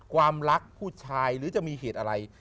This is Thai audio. ความรักผู้ชายหรือจะมีเหตุอะไร